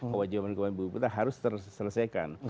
kewajiban keuangan di bumi putra harus terselesaikan